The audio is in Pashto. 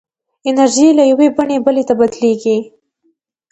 انرژي له یوې بڼې بلې ته بدلېږي.